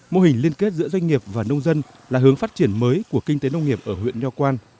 mô hình liên kết giữa doanh nghiệp và nông dân là hướng phát triển mới của kinh tế nông nghiệp ở huyện nho quang